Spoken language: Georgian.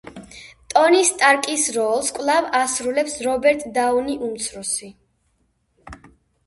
ტონი სტარკის როლს კვლავ ასრულებს რობერტ დაუნი უმცროსი.